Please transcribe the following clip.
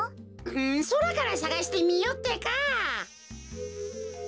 んそらからさがしてみよってか。